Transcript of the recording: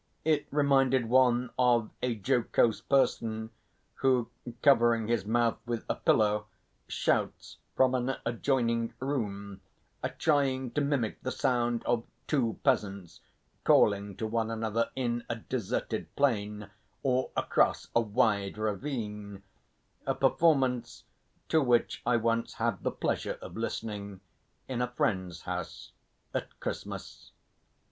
It reminded one of a jocose person who, covering his mouth with a pillow, shouts from an adjoining room, trying to mimic the sound of two peasants calling to one another in a deserted plain or across a wide ravine a performance to which I once had the pleasure of listening in a friend's house at Christmas.